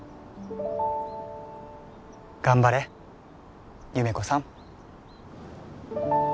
頑張れ優芽子さん